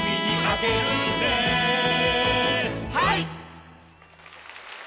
はい！